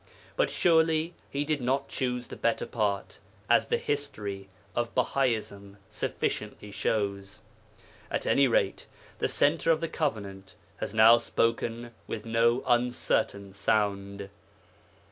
But surely he did not choose the better part, as the history of Bahaism sufficiently shows. At any rate, the Centre of the Covenant has now spoken with no uncertain sound.